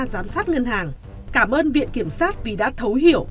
giám sát ngân hàng cảm ơn viện kiểm sát vì đã thấu hiểu